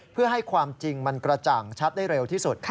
เพื่อให้ความจริงมันกระจ่างชัดได้เร็วที่สุด